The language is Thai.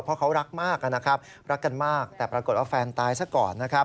เพราะเค้ารักมากแต่ปรากฏว่าแฟนตายสักก่อน